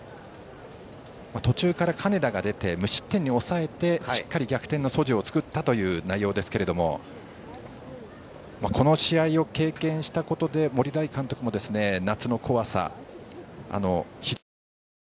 途中から金田が出て無失点で抑えてしっかり逆転の素地を作ったという内容ですがこの試合を経験したことで森大監督も夏の怖さ、非常に感じたと。